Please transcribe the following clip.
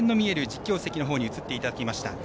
実況席のほうに移っていただきました。